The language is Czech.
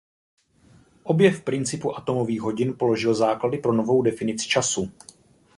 Objev principu atomových hodin položil základy pro novou definici času.